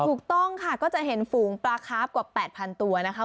ถูกต้องค่ะก็จะเห็นฝูงปลาคาร์ฟกว่า๘๐๐๐ตัวนะคะ